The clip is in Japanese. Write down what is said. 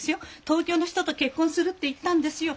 「東京の人と結婚する」って言ったんですよ。